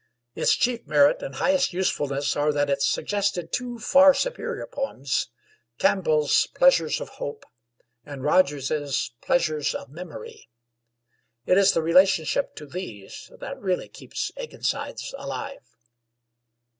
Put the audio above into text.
Its chief merit and highest usefulness are that it suggested two far superior poems, Campbell's 'Pleasures of Hope' and Rogers's 'Pleasures of Memory.' It is the relationship to these that really keeps Akenside's alive.